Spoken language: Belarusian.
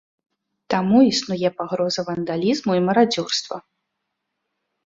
Таму існуе пагроза вандалізму і марадзёрства.